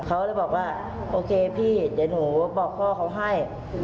เขาเลยบอกว่าโอเคพี่เดี๋ยวหนูบอกพ่อเขาให้